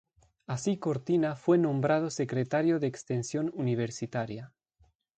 Así Cortina fue nombrado Secretario de Extensión Universitaria.